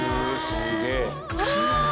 すげえ。